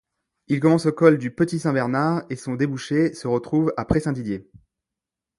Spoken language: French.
Il commence au col du Petit-Saint-Bernard, et son débouché se trouve à Pré-Saint-Didier.